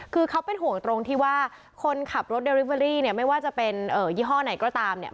คือเขาเป็นห่วงตรงที่ว่าคนขับรถเดริเวอรี่เนี่ยไม่ว่าจะเป็นยี่ห้อไหนก็ตามเนี่ย